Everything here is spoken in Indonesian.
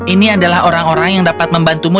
ini adalah orang orang yang dapat membantumu